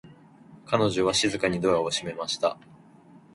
彼女は静かにドアを閉めました。